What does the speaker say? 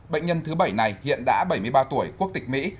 bệnh nhân thứ bảy này hiện đã bảy mươi ba tuổi quốc tịch mỹ